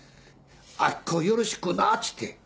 「明子をよろしくな」っつって。